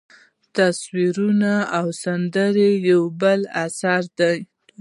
تصویرونه او سندرې یو بل اثر دی.